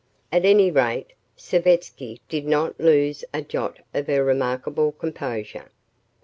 At any rate, Savetsky did not lose a jot of her remarkable composure.